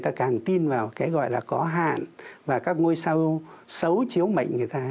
và càng tin vào cái gọi là có hạn và các ngôi sao xấu chiếu mệnh người ta